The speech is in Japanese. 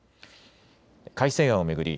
改正案を巡り